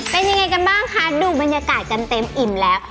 เป็นยังไงกันบ้างคะดูบรรยากาศกันเต็มอิ่มแล้ว